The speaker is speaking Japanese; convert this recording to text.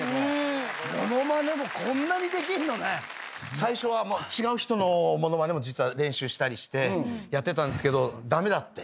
最初は違う人のモノマネも実は練習したりしてやってたんですけど駄目だって。